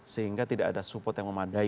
sehingga tidak ada support yang memadai